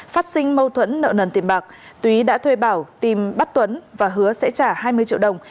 phát sinh mâu thuẫn nợ nần tiền bạc túy đã thuê bảo tìm bắt tuấn và hứa sẽ trả hai mươi triệu đồng